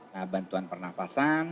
nah bantuan pernafasan